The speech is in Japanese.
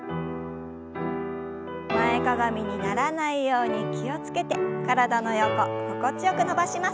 前かがみにならないように気を付けて体の横心地よく伸ばします。